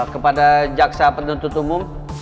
kepada jaksa penuntut umum